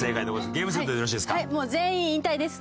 ゲームセットでよろしいですか？